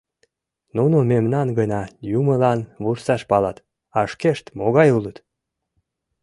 Нуно мемнам гына йӱмылан вурсаш палат, а шкешт могай улыт?